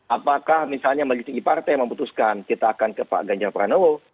apakah misalnya bagi tinggi partai memutuskan kita akan ke pak ganjar pranowo